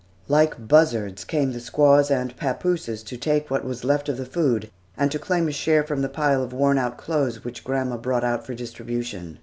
Like buzzards came the squaws and papooses to take what was left of the food, and to claim a share from the pile of worn out clothes which grandma brought out for distribution.